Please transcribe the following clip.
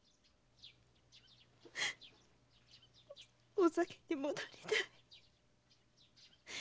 お咲に戻りたい！